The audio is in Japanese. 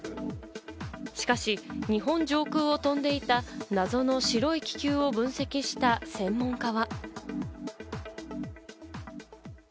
しかし、日本上空を飛んでいた謎の白い気球を分析した専門家は。